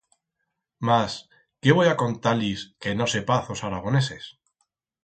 Mas, qué voi a contar-lis que no sepaz os aragoneses.